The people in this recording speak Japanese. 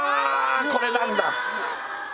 これなんだ！